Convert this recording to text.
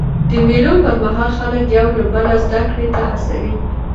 د مېلو پر مهال خلک یو له بله زدهکړي ته هڅوي.